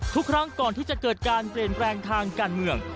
ทุกครั้งก่อนที่จะเกิดการเปลี่ยนแปลงทางการเมือง